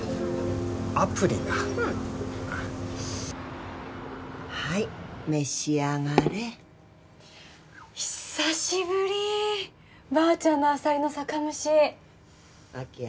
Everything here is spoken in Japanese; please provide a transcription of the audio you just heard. アプリなうんはい召し上がれ久しぶりばあちゃんのアサリの酒蒸し明葉